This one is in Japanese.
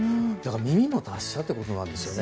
耳も達者ということなんですよね